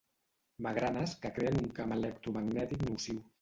Magranes que creen un camp electromagnètic nociu.